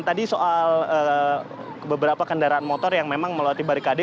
tadi soal beberapa kendaraan motor yang memang melewati barikade